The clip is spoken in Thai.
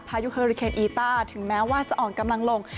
พายุเฮอริเคนอีต้าถึงแม้ว่าจะอ่อนกำลังลง